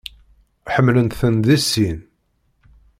Ḥemmlen-tent deg sin.